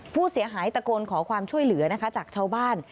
ผู้เสียหายตะโกนขอความช่วยเหลือนะคะจากชาวบ้าน